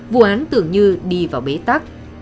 vụ án tưởng như đi vào bế tắc